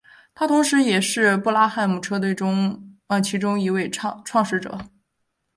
他同时也是布拉汉姆车队其中一位创始者。